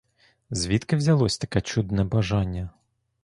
Звідки взялося таке чудне бажання?